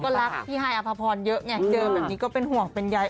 ก็รักพี่ฮายอภพรเยอะไงเจอแบบนี้ก็เป็นห่วงเป็นใย